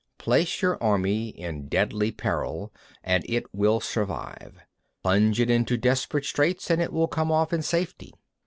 58. Place your army in deadly peril, and it will survive; plunge it into desperate straits, and it will come off in safety.